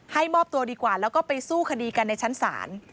มอบตัวดีกว่าแล้วก็ไปสู้คดีกันในชั้นศาล